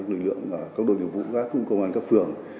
lực lượng các đội nhiệm vụ các cung công an các phường